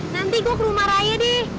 nanti gue ke rumah raya deh